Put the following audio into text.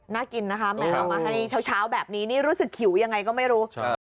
น่ากินนะครับแม่เอามาให้ชาวแบบนี้รู้สึกขิวยังไงก็ไม่รู้